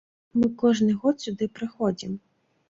Мы кожны год сюды прыходзім.